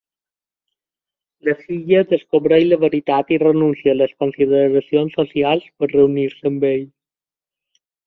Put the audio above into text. La filla descobreix la veritat i renuncia a les consideracions socials per reunir-se amb ell.